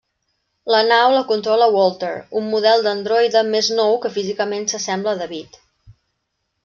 La nau la controla Walter, un model d'androide més nou que físicament s'assembla a David.